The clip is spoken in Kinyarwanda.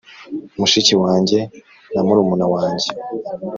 mushiki wanjye na murumuna wanjye;